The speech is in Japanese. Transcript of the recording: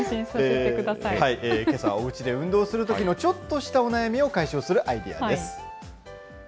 けさはおうちで運動するときのちょっとしたお悩みを解消するアイデアです。